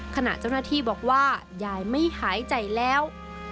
ขณะเจ้าหน้าที่บอกว่ายายไม่หายใจแล้ว